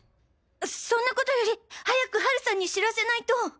そんな事より早くハルさんに知らせないと！